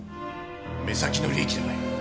目先の利益じゃない。